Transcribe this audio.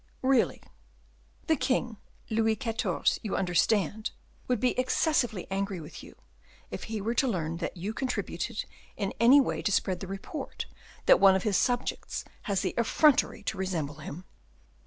"Really." "The king, Louis XIV. you understand would be excessively angry with you, if he were to learn that you contributed in any way to spread the report that one of his subjects has the effrontery to resemble him."